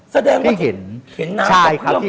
แสดงว่าเห็นน้ำกระเพื่อมค่ะ